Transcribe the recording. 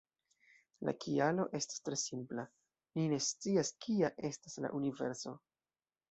La kialo estas tre simpla: ni ne scias kia estas la universo".